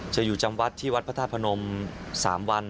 อยู่จำวัดที่วัดพระธาตุพนม๓วัน